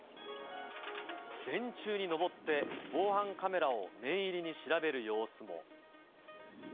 電柱に上って防犯カメラを念入りに調べる様子も。